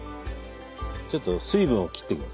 ちょっと水分を切っていきます。